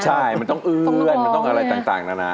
ใช่มันต้องเอื้อนมันต้องอะไรต่างนานา